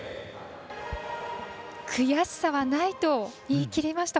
悔しさはないと言い切りました。